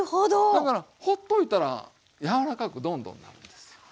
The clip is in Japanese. だからほっといたら柔らかくどんどんなるんですよ。